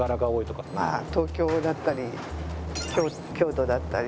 まあ東京だったり京都だったり。